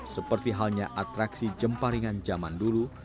seperti halnya atraksi jemparingan zaman dulu